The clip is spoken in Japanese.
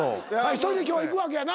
１人で今日はいくわけやな？